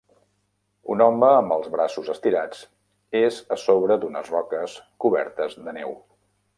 Un home amb els braços estirats és a sobre d'unes roques cobertes de neu.